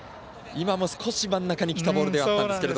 今も少し真ん中にきたボールではあったんですが。